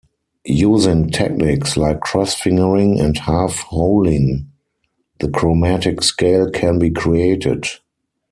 Using techniques like cross-fingering and half-holing, the chromatic scale can be created.